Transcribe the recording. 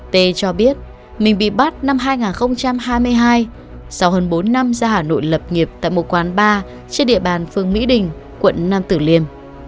t cho biết mình bị bắt năm hai nghìn hai mươi hai sau hơn bốn năm ra hà nội lập nghiệp tại một quán bar trên địa bàn phương mỹ đình quận nam tử liêm